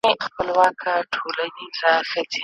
نه توره د ایمل سته، نه هی، هی د خوشحال خان